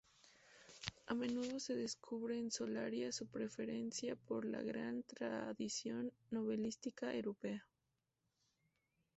A menudo se descubre en "Solaria" su preferencia por la gran tradición novelística europea.